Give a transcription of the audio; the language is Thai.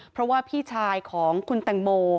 เพราะว่าพี่ชายของคุณแตงโม